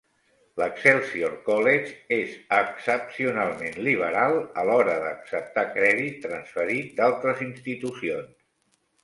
L'Excelsior College és excepcionalment liberal a l'hora d'acceptar crèdit transferit d'altres institucions.